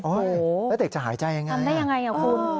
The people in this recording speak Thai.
แล้วเด็กจะหายใจยังไงทำได้ยังไงคุณ